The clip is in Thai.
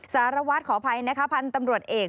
สารวัตรขออภัยนะคะพันธุ์ตำรวจเอก